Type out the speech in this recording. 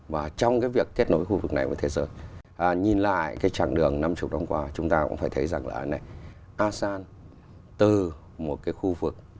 và trong việc kết nối khu vực này với thế giới nhìn lại trạng đường năm mươi năm qua chúng ta cũng thấy rằng là asean từ một khu vực